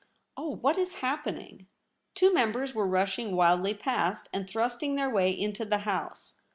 Oh! what is happening ?' Two members were rushing wildly past, and thrusting their way into the House.